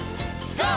ＧＯ！